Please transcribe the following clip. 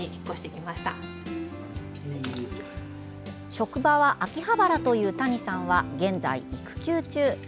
職場は秋葉原という谷さんは現在、育休中。